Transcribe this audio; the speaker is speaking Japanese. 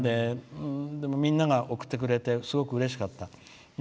でも、みんなが送ってくれてすごくうれしかった。